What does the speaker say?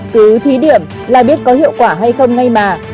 cứ thí điểm là biết có hiệu quả hay không ngay mà